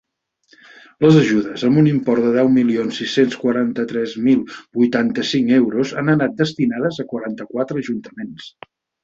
Les ajudes, amb un import de deu milions sis-cents quaranta-tres mil vuitanta-cinc euros, han anat destinades a quaranta-quatre ajuntaments.